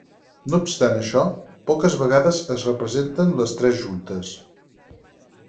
No obstant això, poques vegades es representen les tres juntes.